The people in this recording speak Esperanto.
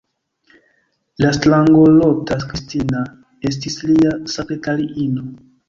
La strangolota Kristina estis lia sekretariino.